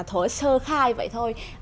thuở sơ khai vậy thôi